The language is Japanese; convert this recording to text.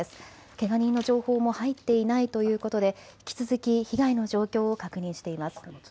けが人の情報も入っていないということで引き続き被害の状況を確認しています。